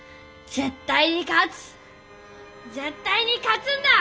絶対に勝つんだッ！